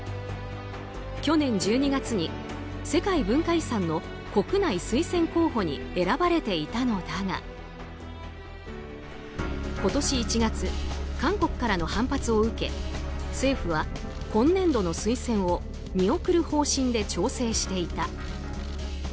去年１２月に、世界文化遺産の国内推薦候補に選ばれていたのだが今年１月、韓国からの反発を受け政府は今年度の推薦を見送る方針で調整していた。